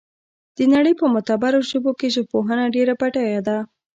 د نړۍ په معتبرو ژبو کې ژبپوهنه ډېره بډایه ده